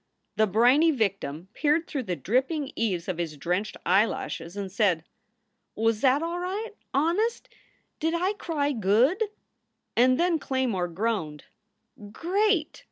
The briny victim peered through the dripping eaves of his drenched eyelashes and said: "Was at all right? Honest? Did I cry good?" And when Claymore groaned, "Great!"